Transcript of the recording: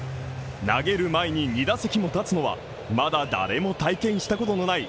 投げる前に２打席も立つのは、まだ誰も体験したことのない